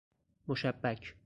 مشبک